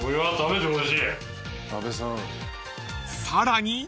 ［さらに］